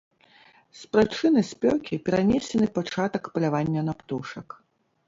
З прычыны спёкі перанесены пачатак палявання на птушак.